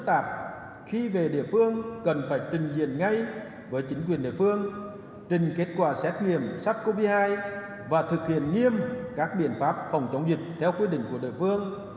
thực hiện nghiêm các biện pháp phòng chống dịch theo quyết định của đại phương